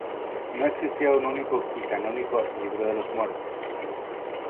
No existía un único y canónico "Libro de los muertos".